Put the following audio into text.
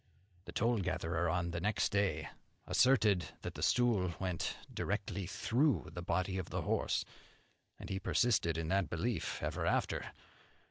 The toll gatherer on the next day asserted that the stool went directly through the body of the horse, and he persisted in that belief ever after.